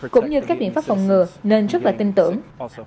cũng như các biện pháp phòng ngừa nên rất là tin tưởng